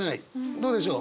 どうでしょう？